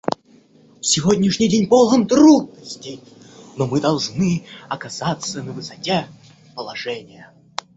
Сегодняшний день полон трудностей, но мы должны оказаться на высоте положения.